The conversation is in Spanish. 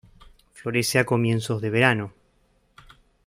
Florece a comienzos de verano.